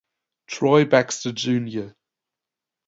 Troy Baxter Jr.